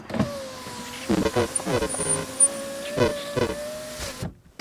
徐的在桂阳去世。